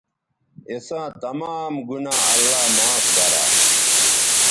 اِساں تمام گنا اللہ معاف گیرا